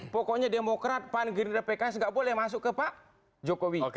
pokoknya demokrat pan gerindra pks nggak boleh masuk ke pak jokowi